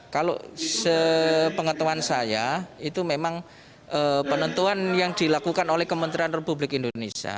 kalau sepengetahuan saya itu memang penentuan yang dilakukan oleh kementerian republik indonesia